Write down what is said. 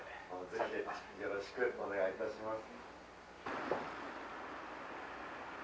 ぜひよろしくお願いいたします。